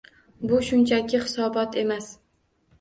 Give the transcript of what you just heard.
Bu shunchaki hisobot emas